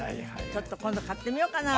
ちょっと今度買ってみようかな